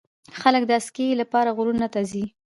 خلک د اسکی لپاره غرونو ته ځي.